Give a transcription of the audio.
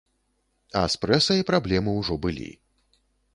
А з прэсай праблемы ўжо былі.